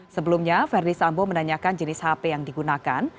sebelumnya ferdisambo menanyakan jenis hp yang digunakan